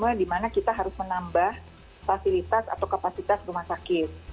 yang dimana kita harus menambah fasilitas atau kapasitas rumah sakit